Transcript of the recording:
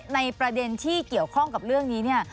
ในประเด็นที่เกี่ยวข้องกับเรื่องนี้เนี่ย